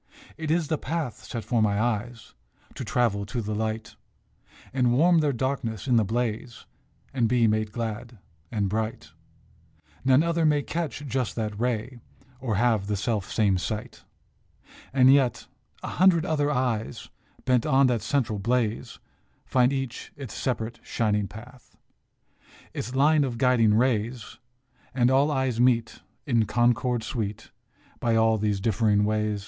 It is the path set for my eyes To travel to the light, And warm their darkness in the blaze, And be made glad and bright. None other may catch just that ray, Or have the self same sight. And yet, a hundred other eyes, Bent on that central blaze, Find each its separate, shining path, Its line of guiding rays ; And all eyes meet in concord sweet By all these differing ways.